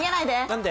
何で？